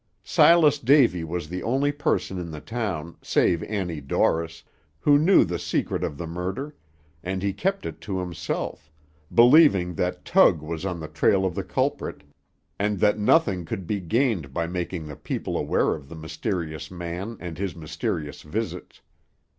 Silas Davy was the only person in the town, save Annie Dorris, who knew the secret of the murder, and he kept it to himself, believing that Tug was on the trail of the culprit, and that nothing could be gained by making the people aware of the mysterious man and his mysterious visits.